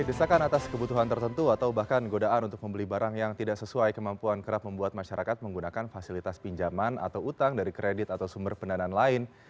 desakan atas kebutuhan tertentu atau bahkan godaan untuk membeli barang yang tidak sesuai kemampuan kerap membuat masyarakat menggunakan fasilitas pinjaman atau utang dari kredit atau sumber pendanaan lain